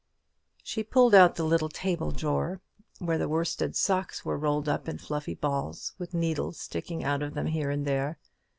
She pulled out the little table drawer where the worsted socks were rolled up in fluffy balls, with needles sticking out of them here and there.